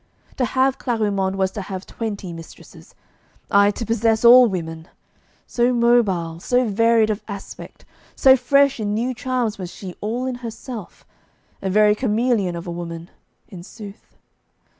To have Clarimonde was to have twenty mistresses; ay, to possess all women: so mobile, so varied of aspect, so fresh in new charms was she all in herself a very chameleon of a woman, in sooth.